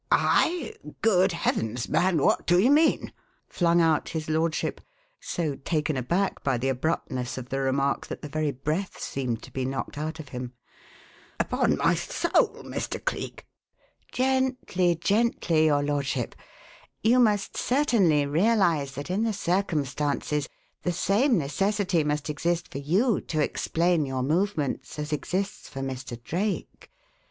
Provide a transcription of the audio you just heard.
"I? Good heavens, man, what do you mean?" flung out his lordship, so taken aback by the abruptness of the remark that the very breath seemed to be knocked out of him. "Upon my soul, Mr. Cleek " "Gently, gently, your lordship. You must certainly realize that in the circumstances the same necessity must exist for you to explain your movements as exists for Mr. Drake.